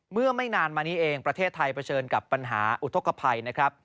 เมื่อไม่นานมานี้เองประเทศไทยเผชิญกับปัญหาอุทธกภัยนะครับ